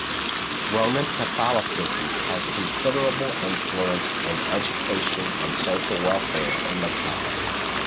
Roman Catholicism has considerable influence in education and social welfare in Macau.